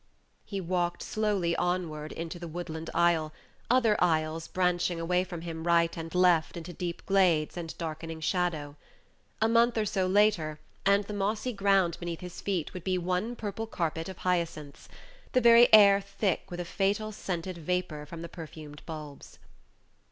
He walked slowly onward into the woodland aisle, other aisles branching away from him right and left into deep glades and darkening shadow. A month or so later, and the mossy ground beneath his feet would be one purple carpet of hyacinths, the very air thick with a fatal scented vapor from the perfumed bulbs.